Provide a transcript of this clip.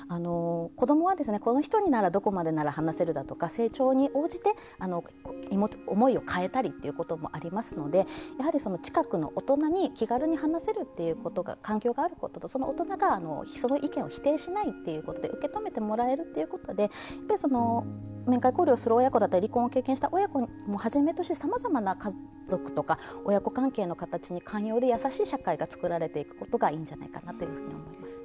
子どもは、この人にならどこまで話せるだとか成長に応じて思いを変えたりってこともありますのでやはり、近くの大人に気軽に話せるっていう環境があることとその大人が、その意見を否定しないっていうことで受け止めてもらえるってことで面会交流をする親子だったり離婚を経験した親子もはじめとしてさまざまな家族とか親子関係の形に寛容で優しい社会が作られていくことがいいんじゃないかなと思います。